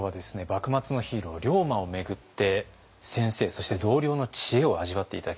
幕末のヒーロー龍馬を巡って先生そして同僚の知恵を味わって頂きました。